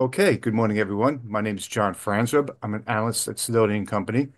Okay, good morning, everyone. My name is John Franzreb. I'm an analyst at Sidoti & Company.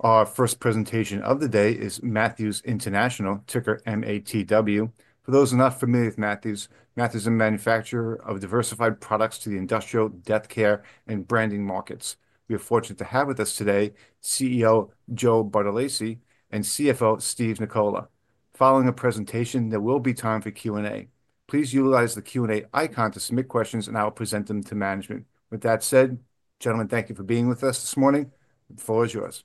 Our first presentation of the day is Matthews International, ticker MATW. For those not familiar with Matthews, Matthews is a manufacturer of diversified products to the industrial, deathcare, and branding markets. We are fortunate to have with us today CEO Joe Bartolacci and CFO Steve Nicola. Following a presentation, there will be time for Q&A. Please utilize the Q&A icon to submit questions, and I will present them to management. With that said, gentlemen, thank you for being with us this morning. The floor is yours.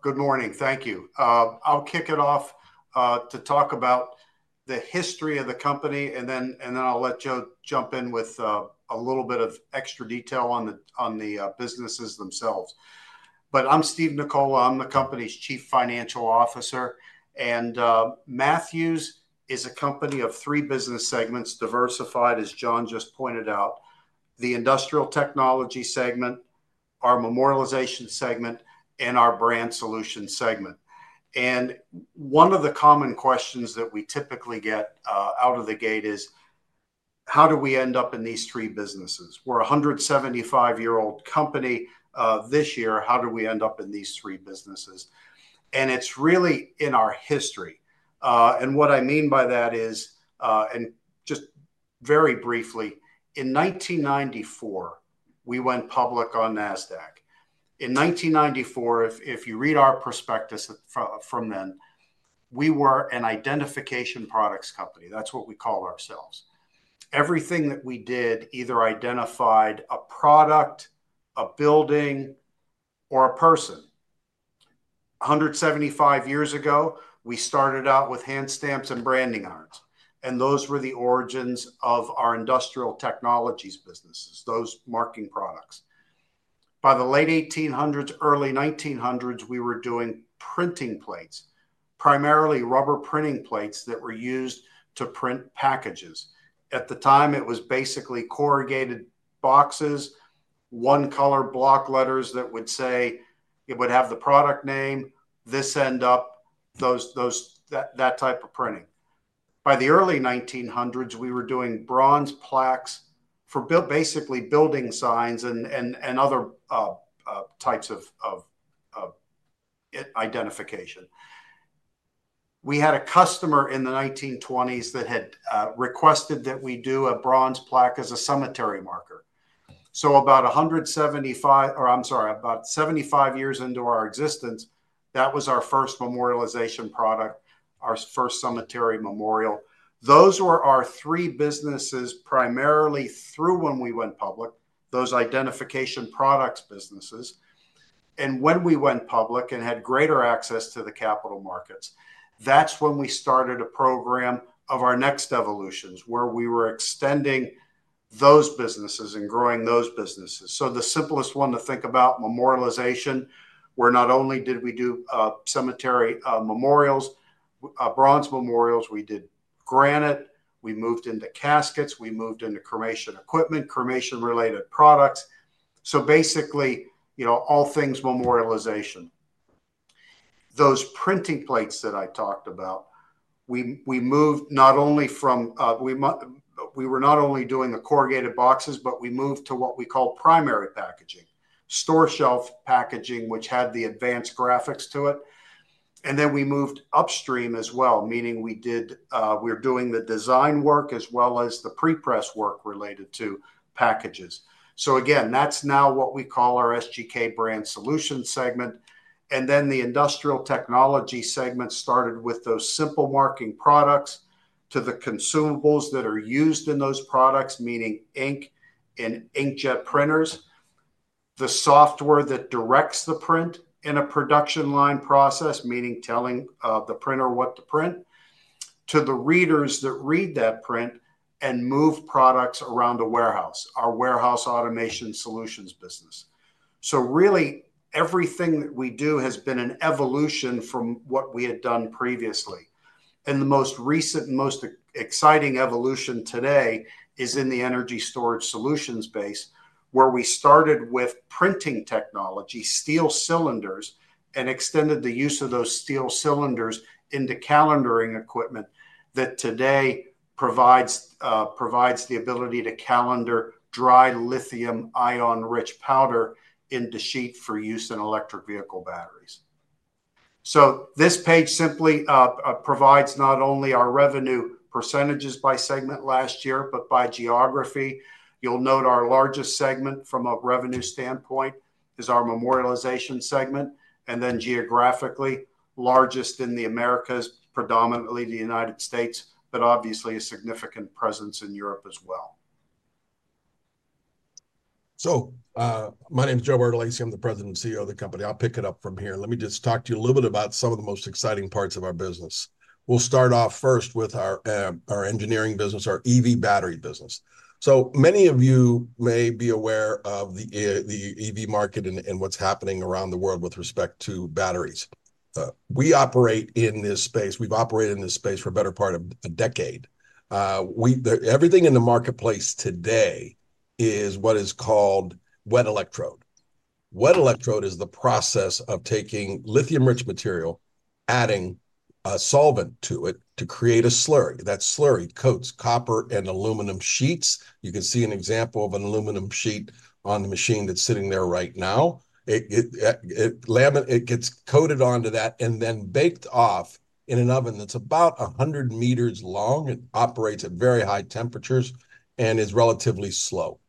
Good morning. Thank you. I'll kick it off to talk about the history of the company, and then I'll let Joe jump in with a little bit of extra detail on the businesses themselves. But I'm Steve Nicola. I'm the company's Chief Financial Officer. And Matthews is a company of three business segments, diversified, as John just pointed out: the industrial technology segment, our memorialization segment, and our brand solution segment. One of the common questions that we typically get out of the gate is, how do we end up in these three businesses? We're a 175-year-old company. This year, how do we end up in these three businesses? It's really in our history. What I mean by that is, and just very briefly, in 1994, we went public on NASDAQ. In 1994, if you read our prospectus from then, we were an identification products company. That's what we call ourselves. Everything that we did either identified a product, a building, or a person. One hundred seventy-five years ago, we started out with hand stamps and branding irons. Those were the origins of our industrial technologies businesses, those marking products. By the late 1800s, early 1900s, we were doing printing plates, primarily rubber printing plates that were used to print packages. At the time, it was basically corrugated boxes, one-color block letters that would say it would have the product name, this end up, that type of printing. By the early 1900s, we were doing bronze plaques for basically building signs and other types of identification. We had a customer in the 1920s that had requested that we do a bronze plaque as a cemetery marker. About 75 years into our existence, that was our first memorialization product, our first cemetery memorial. Those were our three businesses primarily through when we went public, those identification products businesses. When we went public and had greater access to the capital markets, that's when we started a program of our next evolutions where we were extending those businesses and growing those businesses. The simplest one to think about, memorialization, where not only did we do cemetery memorials, bronze memorials, we did granite, we moved into caskets, we moved into cremation equipment, cremation-related products. Basically, all things memorialization. Those printing plates that I talked about, we moved not only from we were not only doing the corrugated boxes, but we moved to what we call primary packaging, store shelf packaging, which had the advanced graphics to it. Then we moved upstream as well, meaning we're doing the design work as well as the pre-press work related to packages. Again, that's now what we call our SGK brand solution segment. The industrial technology segment started with those simple marking products to the consumables that are used in those products, meaning ink and inkjet printers, the software that directs the print in a production line process, meaning telling the printer what to print, to the readers that read that print and move products around the warehouse, our warehouse automation solutions business. Really, everything that we do has been an evolution from what we had done previously. The most recent, most exciting evolution today is in the energy storage solutions space, where we started with printing technology, steel cylinders, and extended the use of those steel cylinders into calendering equipment that today provides the ability to calendar dry lithium-ion-rich powder into sheet for use in electric vehicle batteries. This page simply provides not only our revenue percentages by segment last year, but by geography. You'll note our largest segment from a revenue standpoint is our memorialization segment, and then geographically, largest in the Americas, predominantly the United States, but obviously a significant presence in Europe as well. My name is Joe Bartolacci. I'm the President and CEO of the company. I'll pick it up from here. Let me just talk to you a little bit about some of the most exciting parts of our business. We'll start off first with our engineering business, our EV battery business. Many of you may be aware of the EV market and what's happening around the world with respect to batteries. We operate in this space. We've operated in this space for a better part of a decade. Everything in the marketplace today is what is called wet electrode. Wet electrode is the process of taking lithium-rich material, adding a solvent to it to create a slurry. That slurry coats copper and aluminum sheets. You can see an example of an aluminum sheet on the machine that's sitting there right now. It gets coated onto that and then baked off in an oven that is about 100 meters long and operates at very high temperatures and is relatively slow.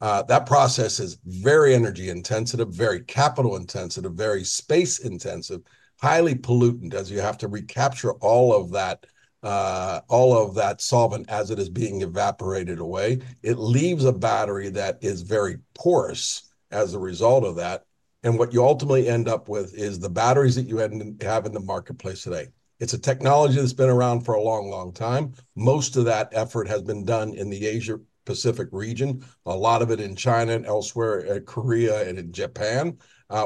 That process is very energy intensive, very capital intensive, very space intensive, highly pollutant, as you have to recapture all of that solvent as it is being evaporated away. It leaves a battery that is very porous as a result of that. What you ultimately end up with is the batteries that you have in the marketplace today. It is a technology that has been around for a long, long time. Most of that effort has been done in the Asia-Pacific region, a lot of it in China and elsewhere, in Korea and in Japan.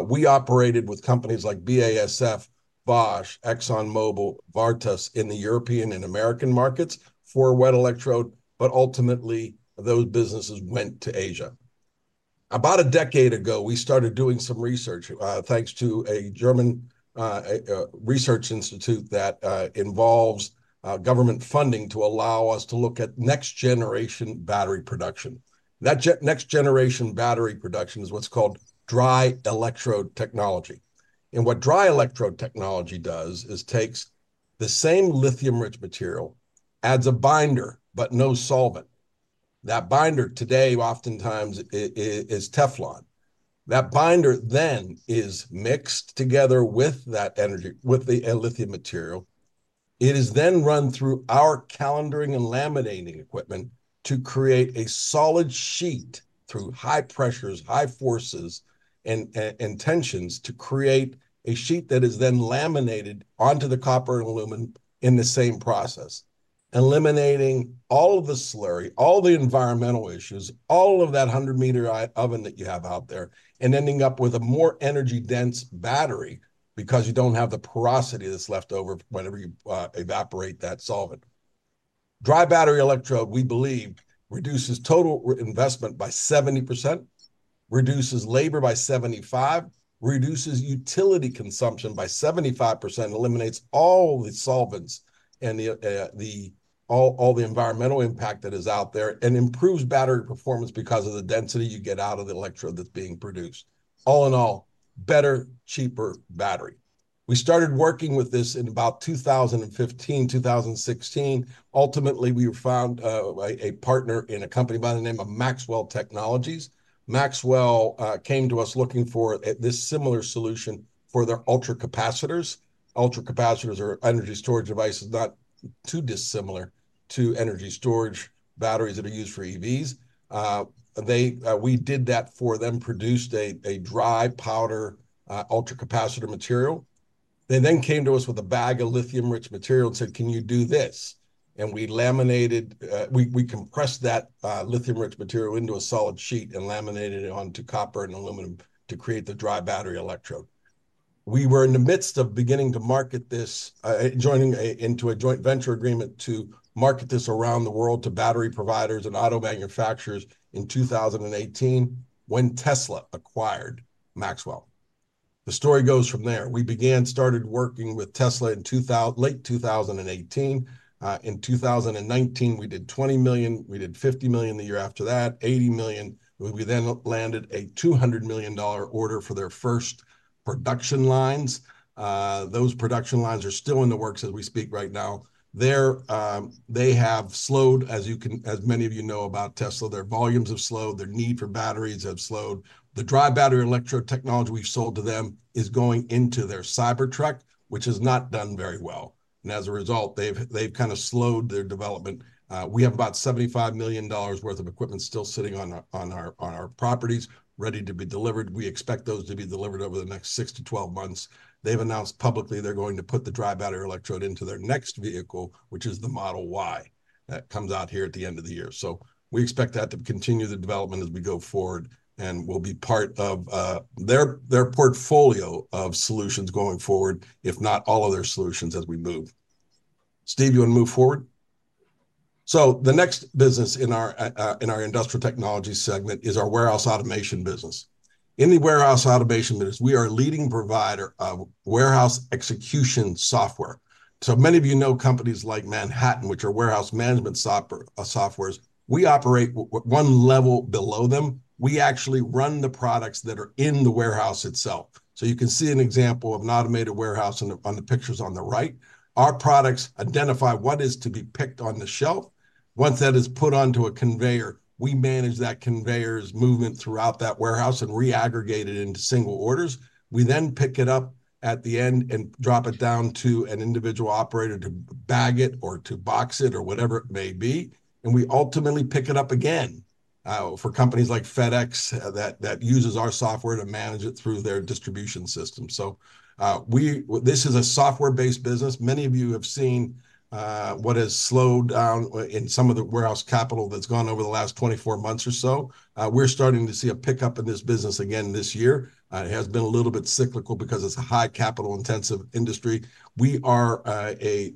We operated with companies like BASF, Bosch, ExxonMobil, VARTA in the European and American markets for wet electrode, but ultimately, those businesses went to Asia. About a decade ago, we started doing some research thanks to a German research institute that involves government funding to allow us to look at next-generation battery production. That next-generation battery production is what's called dry electrode technology. What dry electrode technology does is takes the same lithium-rich material, adds a binder, but no solvent. That binder today oftentimes is Teflon. That binder then is mixed together with that energy, with the lithium material. It is then run through our calendering and laminating equipment to create a solid sheet through high pressures, high forces, and tensions to create a sheet that is then laminated onto the copper and aluminum in the same process, eliminating all of the slurry, all the environmental issues, all of that 100-meter oven that you have out there, and ending up with a more energy-dense battery because you don't have the porosity that's left over whenever you evaporate that solvent. Dry battery electrode, we believe, reduces total investment by 70%, reduces labor by 75%, reduces utility consumption by 75%, eliminates all the solvents and all the environmental impact that is out there, and improves battery performance because of the density you get out of the electrode that's being produced. All in all, better, cheaper battery. We started working with this in about 2015, 2016. Ultimately, we found a partner in a company by the name of Maxwell Technologies. Maxwell came to us looking for this similar solution for their ultracapacitors. ultracapacitors are energy storage devices, not too dissimilar to energy storage batteries that are used for EVs. We did that for them, produced a dry powder ultra capacitor material. They then came to us with a bag of lithium-rich material and said, "Can you do this?" We laminated, we compressed that lithium-rich material into a solid sheet and laminated it onto copper and aluminum to create the dry battery electrode. We were in the midst of beginning to market this, joining into a joint venture agreement to market this around the world to battery providers and auto manufacturers in 2018 when Tesla acquired Maxwell. The story goes from there. We began, started working with Tesla in late 2018. In 2019, we did $20 million. We did $50 million the year after that, $80 million. We then landed a $200 million order for their first production lines. Those production lines are still in the works as we speak right now. They have slowed, as many of you know about Tesla. Their volumes have slowed. Their need for batteries have slowed. The dry battery electrode technology we sold to them is going into their Cybertruck, which has not done very well. As a result, they've kind of slowed their development. We have about $75 million worth of equipment still sitting on our properties ready to be delivered. We expect those to be delivered over the next 6 months-12 months. They've announced publicly they're going to put the dry battery electrode into their next vehicle, which is the Model Y that comes out here at the end of the year. We expect that to continue the development as we go forward and will be part of their portfolio of solutions going forward, if not all of their solutions as we move. Steve, you want to move forward? The next business in our industrial technology segment is our warehouse automation business. In the warehouse automation business, we are a leading provider of warehouse execution software. Many of you know companies like Manhattan, which are warehouse management softwares. We operate one level below them. We actually run the products that are in the warehouse itself. You can see an example of an automated warehouse on the pictures on the right. Our products identify what is to be picked on the shelf. Once that is put onto a conveyor, we manage that conveyor's movement throughout that warehouse and re-aggregate it into single orders. We then pick it up at the end and drop it down to an individual operator to bag it or to box it or whatever it may be. We ultimately pick it up again for companies like FedEx that uses our software to manage it through their distribution system. This is a software-based business. Many of you have seen what has slowed down in some of the warehouse capital that has gone over the last 24 months or so. We are starting to see a pickup in this business again this year. It has been a little bit cyclical because it is a high capital-intensive industry. We are a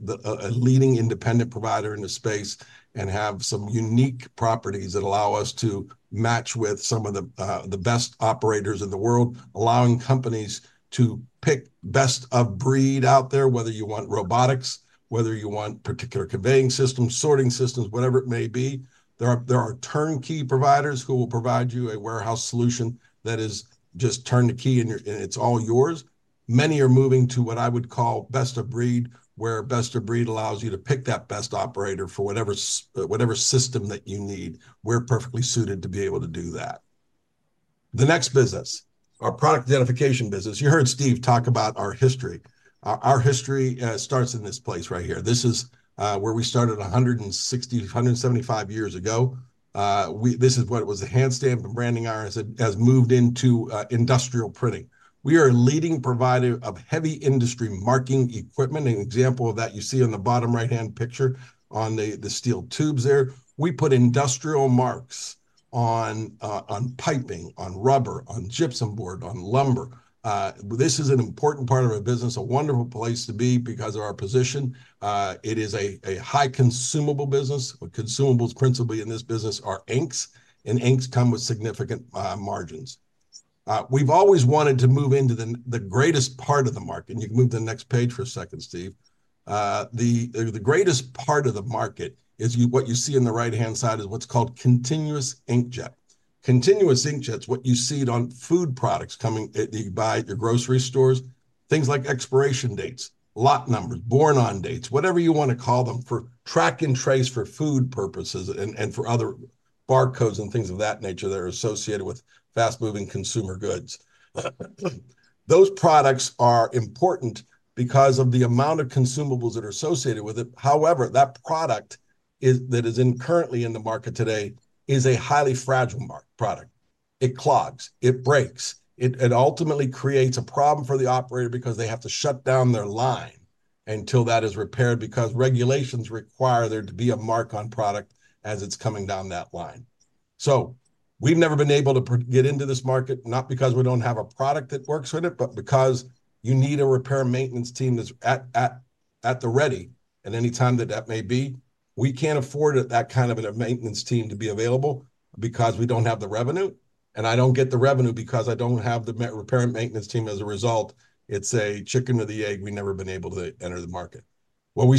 leading independent provider in the space and have some unique properties that allow us to match with some of the best operators in the world, allowing companies to pick best of breed out there, whether you want robotics, whether you want particular conveying systems, sorting systems, whatever it may be. There are turnkey providers who will provide you a warehouse solution that is just turn the key and it's all yours. Many are moving to what I would call best of breed, where best of breed allows you to pick that best operator for whatever system that you need. We're perfectly suited to be able to do that. The next business, our product identification business. You heard Steve talk about our history. Our history starts in this place right here. This is where we started 160, 175 years ago. This is what was the hand stamp and branding iron has moved into industrial printing. We are a leading provider of heavy industry marking equipment. An example of that you see on the bottom right-hand picture on the steel tubes there. We put industrial marks on piping, on rubber, on gypsum board, on lumber. This is an important part of our business, a wonderful place to be because of our position. It is a high consumable business. Consumables principally in this business are inks, and inks come with significant margins. We've always wanted to move into the greatest part of the market. You can move to the next page for a second, Steve. The greatest part of the market is what you see on the right-hand side is what's called continuous inkjet. Continuous inkjets, what you see on food products coming by your grocery stores, things like expiration dates, lot numbers, born-on dates, whatever you want to call them for track and trace for food purposes and for other barcodes and things of that nature that are associated with fast-moving consumer goods. Those products are important because of the amount of consumables that are associated with it. However, that product that is currently in the market today is a highly fragile product. It clogs, it breaks. It ultimately creates a problem for the operator because they have to shut down their line until that is repaired because regulations require there to be a mark on product as it's coming down that line. We've never been able to get into this market, not because we don't have a product that works with it, but because you need a repair maintenance team that's at the ready at any time that that may be. We can't afford that kind of a maintenance team to be available because we don't have the revenue. I don't get the revenue because I don't have the repair maintenance team. As a result, it's a chicken or the egg. We've never been able to enter the market. Over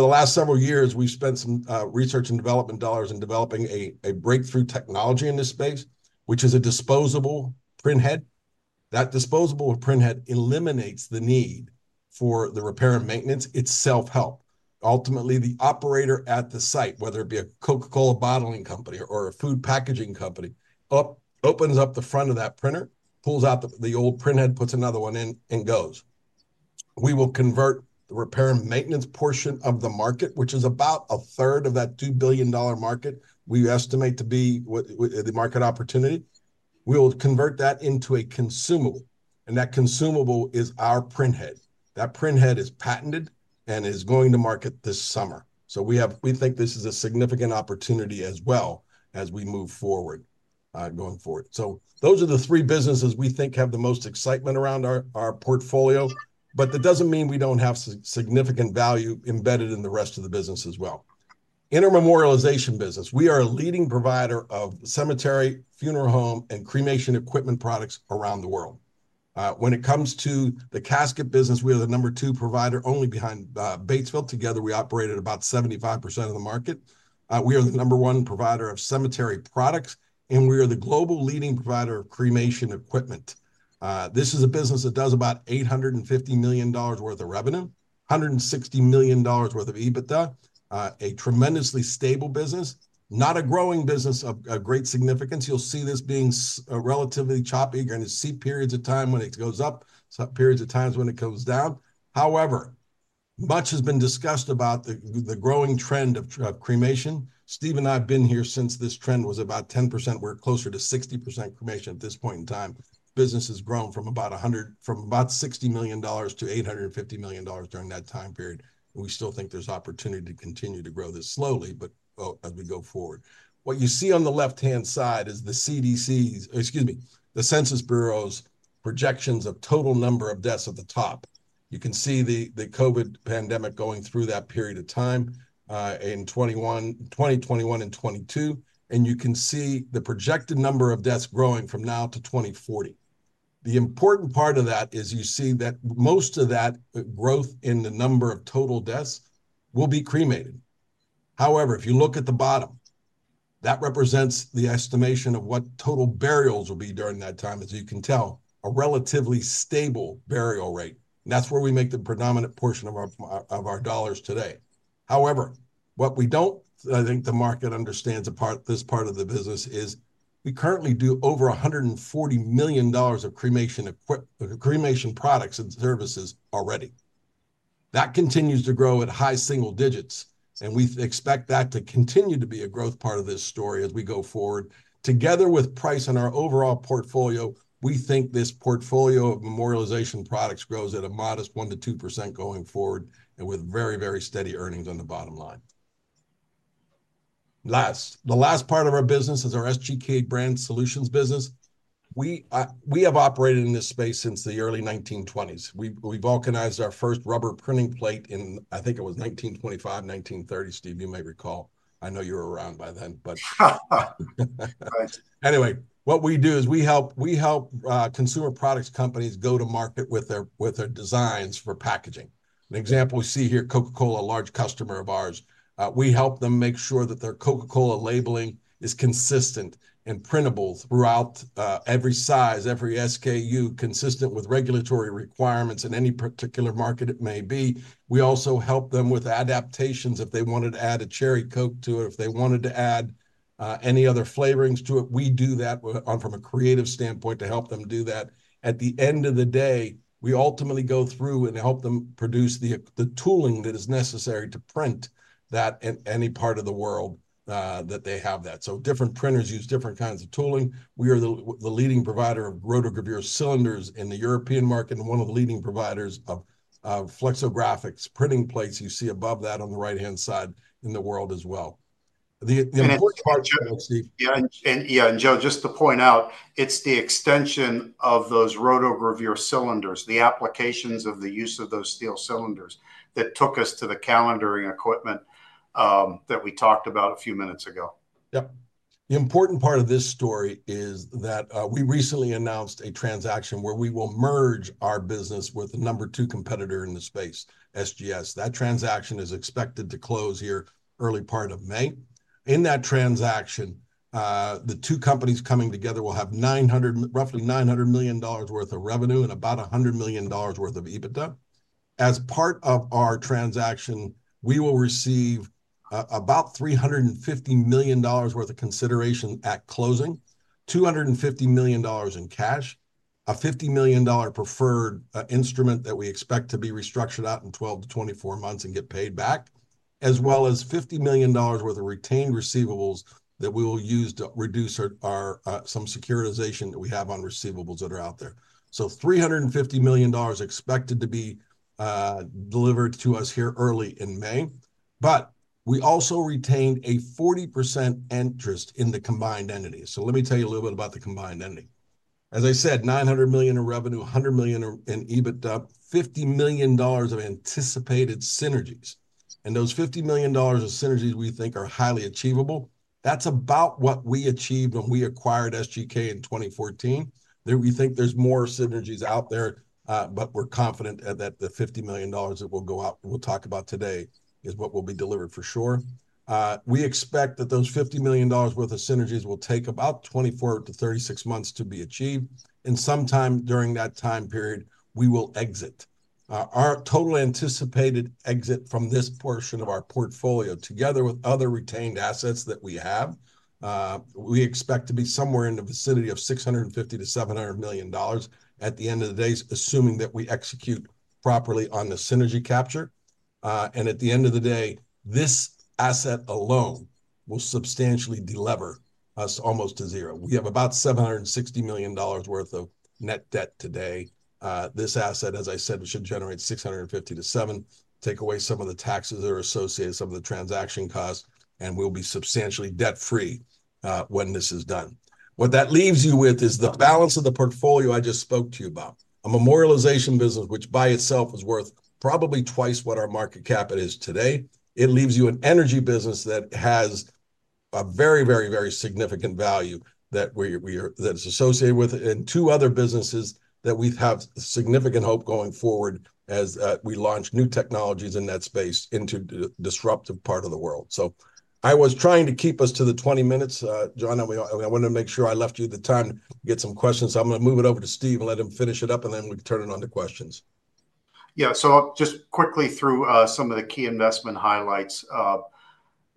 the last several years, we've spent some research and development dollars in developing a breakthrough technology in this space, which is a disposable printhead. That disposable printhead eliminates the need for the repair and maintenance itself help. Ultimately, the operator at the site, whether it be a Coca-Cola bottling company or a food packaging company, opens up the front of that printer, pulls out the old printhead, puts another one in, and goes. We will convert the repair and maintenance portion of the market, which is about a 1/3 of that $2 billion market we estimate to be the market opportunity. We will convert that into a consumable. And that consumable is our printhead. That printhead is patented and is going to market this summer. We think this is a significant opportunity as well as we move forward going forward. Those are the three businesses we think have the most excitement around our portfolio, but that does not mean we do not have significant value embedded in the rest of the business as well. In our memorialization business. We are a leading provider of cemetery, funeral home, and cremation equipment products around the world. When it comes to the casket business, we are the number two provider, only behind Batesville. Together, we operate at about 75% of the market. We are the number one provider of cemetery products, and we are the global leading provider of cremation equipment. This is a business that does about $850 million worth of revenue, $160 million worth of EBITDA, a tremendously stable business, not a growing business of great significance. You'll see this being relatively choppy. You're going to see periods of time when it goes up, periods of times when it goes down. However, much has been discussed about the growing trend of cremation. Steve and I have been here since this trend was about 10%. We're closer to 60% cremation at this point in time. Business has grown from about $60 million-$850 million during that time period. We still think there's opportunity to continue to grow this slowly, but as we go forward. What you see on the left-hand side is the Census Bureau's projections of total number of deaths at the top. You can see the COVID pandemic going through that period of time in 2021 and 2022, and you can see the projected number of deaths growing from now to 2040. The important part of that is you see that most of that growth in the number of total deaths will be cremated. However, if you look at the bottom, that represents the estimation of what total burials will be during that time, as you can tell, a relatively stable burial rate. That's where we make the predominant portion of our dollars today. However, what we do not think the market understands about this part of the business is we currently do over $140 million of cremation products and services already. That continues to grow at high single digits, and we expect that to continue to be a growth part of this story as we go forward. Together with price on our overall portfolio, we think this portfolio of memorialization products grows at a modest 1%-2% going forward and with very, very steady earnings on the bottom line. Last, the last part of our business is our SGK brand solutions business. We have operated in this space since the early 1920s. We vulcanized our first rubber printing plate in, I think it was 1925, 1930, Steve, you may recall. I know you were around by then, but anyway, what we do is we help consumer products companies go to market with their designs for packaging. An example we see here, Coca-Cola, a large customer of ours. We help them make sure that their Coca-Cola labeling is consistent and printable throughout every size, every SKU, consistent with regulatory requirements in any particular market it may be. We also help them with adaptations if they wanted to add a cherry Coke to it, if they wanted to add any other flavorings to it. We do that from a creative standpoint to help them do that. At the end of the day, we ultimately go through and help them produce the tooling that is necessary to print that in any part of the world that they have that. Different printers use different kinds of tooling. We are the leading provider of rotogravure cylinders in the European market and one of the leading providers of flexographics, printing plates you see above that on the right-hand side in the world as well. The important part too, Steve. Yeah, and Joe, just to point out, it's the extension of those rotogravure cylinders, the applications of the use of those steel cylinders that took us to the calendering equipment that we talked about a few minutes ago. Yep. The important part of this story is that we recently announced a transaction where we will merge our business with a number two competitor in the space, SGS. That transaction is expected to close here early part of May. In that transaction, the two companies coming together will have roughly $900 million worth of revenue and about $100 million worth of EBITDA. As part of our transaction, we will receive about $350 million worth of consideration at closing, $250 million in cash, a $50 million preferred instrument that we expect to be restructured out in 12 months-24 months and get paid back, as well as $50 million worth of retained receivables that we will use to reduce some securitization that we have on receivables that are out there. $350 million expected to be delivered to us here early in May. We also retained a 40% interest in the combined entity. Let me tell you a little bit about the combined entity. As I said, $900 million in revenue, $100 million in EBITDA, $50 million of anticipated synergies. Those $50 million of synergies we think are highly achievable. That's about what we achieved when we acquired SGK in 2014. We think there's more synergies out there, but we're confident that the $50 million that we'll go out and we'll talk about today is what will be delivered for sure. We expect that those $50 million worth of synergies will take about 24 months-36 months to be achieved. Sometime during that time period, we will exit. Our total anticipated exit from this portion of our portfolio, together with other retained assets that we have, we expect to be somewhere in the vicinity of $650 million-$700 million at the end of the day, assuming that we execute properly on the synergy capture. At the end of the day, this asset alone will substantially deliver us almost to zero. We have about $760 million worth of net debt today. This asset, as I said, should generate $650 million-$700 million, take away some of the taxes that are associated, some of the transaction costs, and we'll be substantially debt-free when this is done. What that leaves you with is the balance of the portfolio I just spoke to you about, a memorialization business, which by itself is worth probably twice what our market cap is today. It leaves you an energy business that has a very, very, very significant value that is associated with it and two other businesses that we have significant hope going forward as we launch new technologies in that space into the disruptive part of the world. I was trying to keep us to the 20 minutes, John, and I wanted to make sure I left you the time to get some questions. I'm going to move it over to Steve and let him finish it up, and then we can turn it on to questions. Yeah. Just quickly through some of the key investment highlights,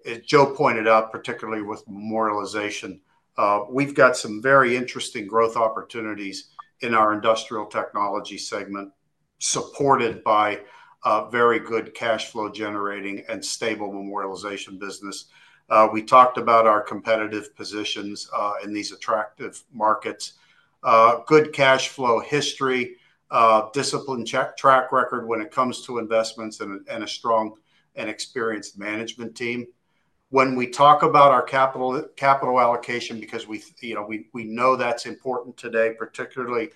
as Joe pointed out, particularly with memorialization, we've got some very interesting growth opportunities in our industrial technology segment supported by very good cash flow generating and stable memorialization business. We talked about our competitive positions in these attractive markets, good cash flow history, discipline track record when it comes to investments, and a strong and experienced management team. When we talk about our capital allocation, because we know that's important today, particularly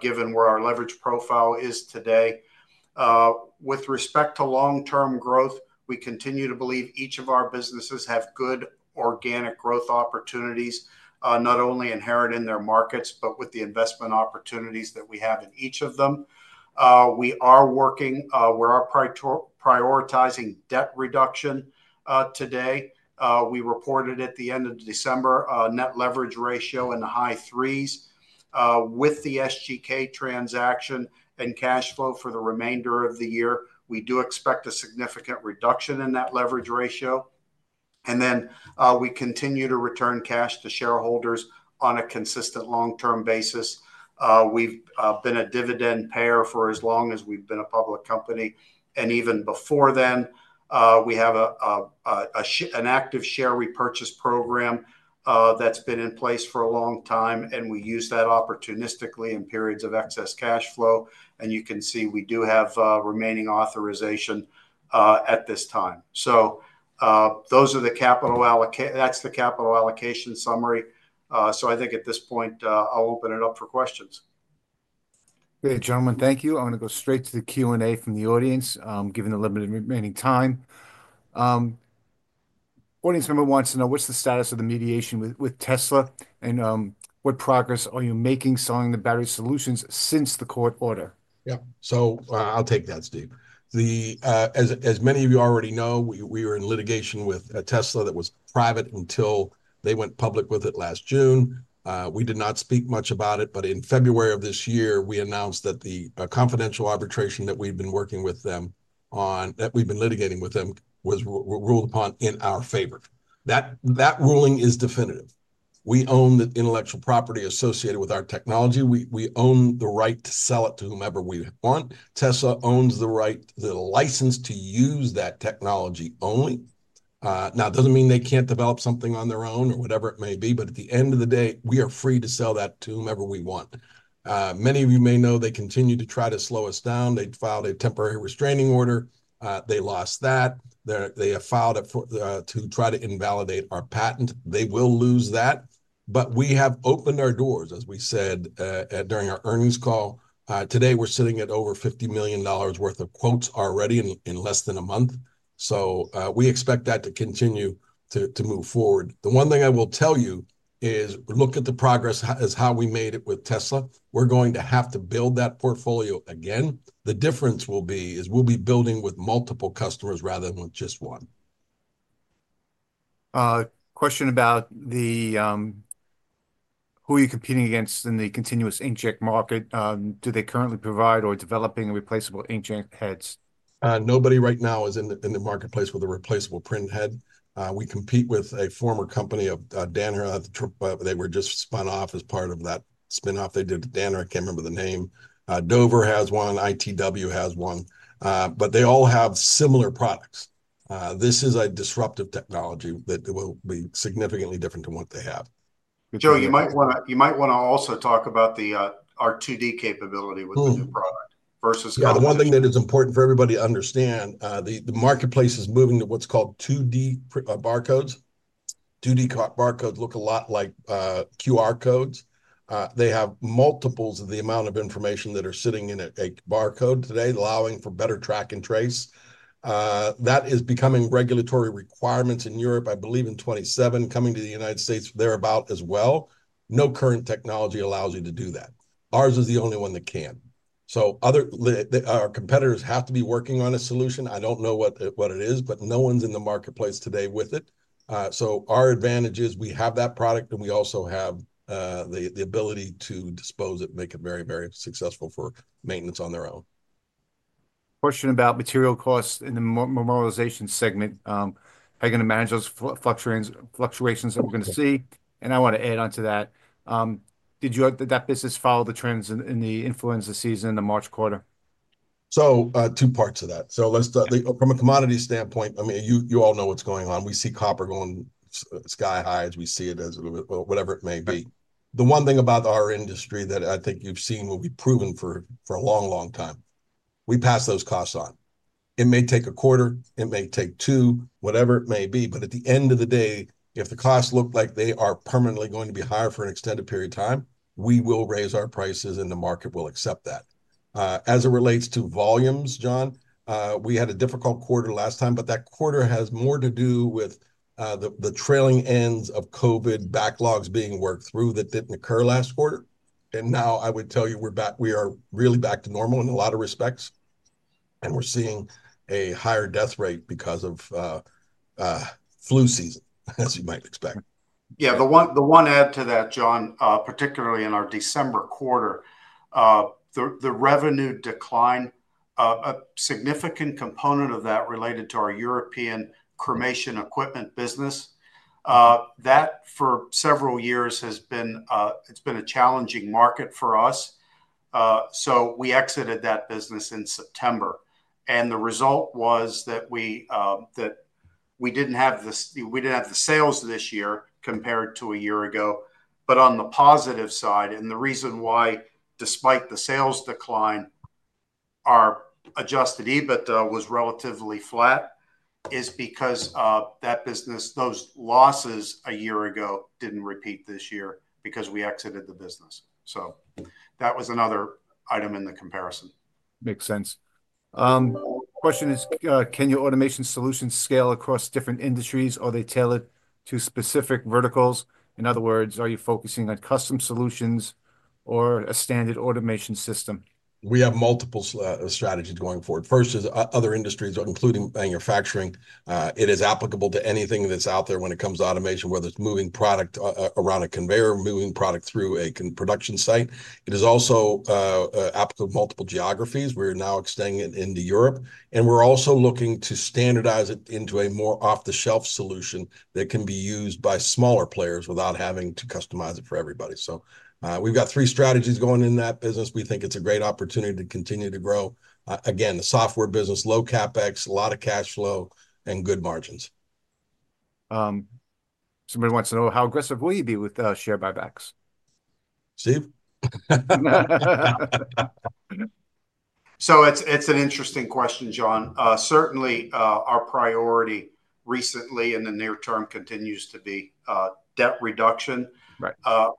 given where our leverage profile is today. With respect to long-term growth, we continue to believe each of our businesses have good organic growth opportunities, not only inherent in their markets, but with the investment opportunities that we have in each of them. We are working, we're prioritizing debt reduction today. We reported at the end of December a net leverage ratio in the high threes. With the SGK transaction and cash flow for the remainder of the year, we do expect a significant reduction in that leverage ratio. We continue to return cash to shareholders on a consistent long-term basis. We've been a dividend payer for as long as we've been a public company. Even before then, we have an active share repurchase program that's been in place for a long time, and we use that opportunistically in periods of excess cash flow. You can see we do have remaining authorization at this time. Those are the capital allocation, that's the capital allocation summary. I think at this point, I'll open it up for questions. Great, gentlemen. Thank you. I'm going to go straight to the Q&A from the audience, given the limited remaining time. Audience member wants to know, what's the status of the mediation with Tesla and what progress are you making selling the battery solutions since the court order? Yep. I’ll take that, Steve. As many of you already know, we were in litigation with Tesla that was private until they went public with it last June. We did not speak much about it, but in February of this year, we announced that the confidential arbitration that we've been working with them on, that we've been litigating with them, was ruled upon in our favor. That ruling is definitive. We own the intellectual property associated with our technology. We own the right to sell it to whomever we want. Tesla owns the license to use that technology only. Now, it doesn't mean they can't develop something on their own or whatever it may be, but at the end of the day, we are free to sell that to whomever we want. Many of you may know they continue to try to slow us down. They filed a temporary restraining order. They lost that. They have filed it to try to invalidate our patent. They will lose that. We have opened our doors, as we said during our earnings call. Today, we're sitting at over $50 million worth of quotes already in less than a month. We expect that to continue to move forward. The one thing I will tell you is look at the progress as how we made it with Tesla. We're going to have to build that portfolio again. The difference will be is we'll be building with multiple customers rather than with just one. Question about who are you competing against in the continuous inkjet market? Do they currently provide or developing replaceable inkjet heads? Nobody right now is in the marketplace with a replaceable printhead. We compete with a former company of Danaher. They were just spun off as part of that spinoff they did at Danaher. I can't remember the name. Dover has one. ITW has one. But they all have similar products. This is a disruptive technology that will be significantly different to what they have. Joe, you might want to also talk about our 2D capability with the new product versus the other one. Yeah. The one thing that is important for everybody to understand, the marketplace is moving to what's called 2D barcodes. 2D barcodes look a lot like QR codes. They have multiples of the amount of information that are sitting in a barcode today, allowing for better track and trace. That is becoming regulatory requirements in Europe, I believe, in 2027, coming to the United States thereabout as well. No current technology allows you to do that. Ours is the only one that can. Our competitors have to be working on a solution. I do not know what it is, but no one's in the marketplace today with it. Our advantage is we have that product, and we also have the ability to dispose of it and make it very, very successful for maintenance on their own. Question about material costs in the memorialization segment. How are you going to manage those fluctuations that we're going to see? I want to add on to that. Did that business follow the trends in the influenza season in the March quarter? Two parts of that. From a commodity standpoint, I mean, you all know what's going on. We see copper going sky high as we see it as whatever it may be. The one thing about our industry that I think you've seen will be proven for a long, long time, we pass those costs on. It may take a quarter. It may take two, whatever it may be. At the end of the day, if the costs look like they are permanently going to be higher for an extended period of time, we will raise our prices, and the market will accept that. As it relates to volumes, John, we had a difficult quarter last time, but that quarter has more to do with the trailing ends of COVID backlogs being worked through that did not occur last quarter. I would tell you we are really back to normal in a lot of respects. We are seeing a higher death rate because of flu season, as you might expect. The one add to that, John, particularly in our December quarter, the revenue decline, a significant component of that related to our European cremation equipment business. That for several years has been a challenging market for us. We exited that business in September. The result was that we did not have the sales this year compared to a year ago. On the positive side, and the reason why despite the sales decline, our adjusted EBITDA was relatively flat is because those losses a year ago did not repeat this year because we exited the business. That was another item in the comparison. Makes sense. Question is, can your automation solutions scale across different industries? Are they tailored to specific verticals? In other words, are you focusing on custom solutions or a standard automation system? We have multiple strategies going forward. First is other industries, including manufacturing. It is applicable to anything that is out there when it comes to automation, whether it is moving product around a conveyor, moving product through a production site. It is also applicable to multiple geographies. We are now extending it into Europe. We're also looking to standardize it into a more off-the-shelf solution that can be used by smaller players without having to customize it for everybody. We have three strategies going in that business. We think it's a great opportunity to continue to grow. Again, the software business, low CapEx, a lot of cash flow, and good margins. Somebody wants to know, how aggressive will you be with share buybacks? Steve? It's an interesting question, John. Certainly, our priority recently in the near term continues to be debt reduction.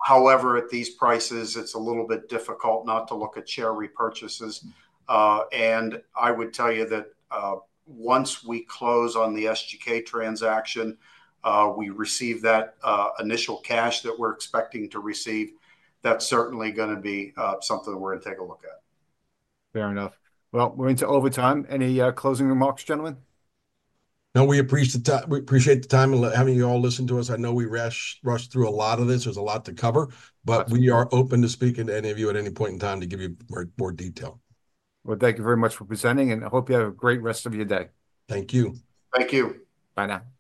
However, at these prices, it's a little bit difficult not to look at share repurchases. I would tell you that once we close on the SGK transaction, we receive that initial cash that we're expecting to receive. That's certainly going to be something we're going to take a look at. Fair enough. We're into overtime. Any closing remarks, gentlemen? No, we appreciate the time and having you all listen to us. I know we rushed through a lot of this. There's a lot to cover, but we are open to speaking to any of you at any point in time to give you more detail. Thank you very much for presenting, and I hope you have a great rest of your day. Thank you. Thank you. Bye now.